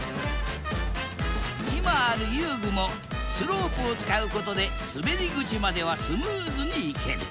今ある遊具もスロープを使うことですべり口まではスムーズに行ける